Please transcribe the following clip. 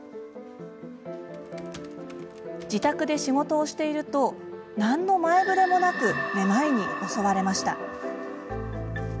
自宅で仕事をしていると何の前触れもなくめまいに襲われました。